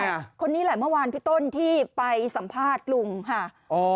คนนี้แหละคนนี้ไหล่เมื่อวานพี่ต้นที่ไปสัมภาษณ์ลุงที่มาถึง